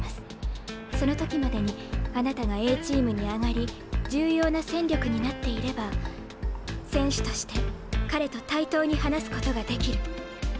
その時までにあなたがＡチームに上がり重要な戦力になっていれば選手として彼と対等に話すことができる。